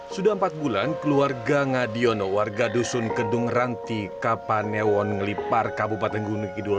sudah empat bulan keluarga ngadiono warga dusun kedung ranti kapanewon ngelipar kabupaten gunung kidul